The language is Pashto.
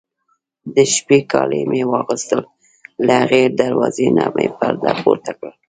د شپې کالي مې واغوستل، له هغې دروازې نه مې پرده پورته کړل.